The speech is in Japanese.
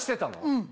うん！